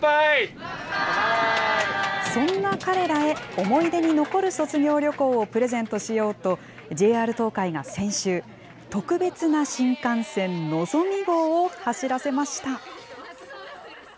そんな彼らへ、思い出に残る卒業旅行をプレゼントしようと、ＪＲ東海が先週、特別な新幹線、のぞみ号を走らせました。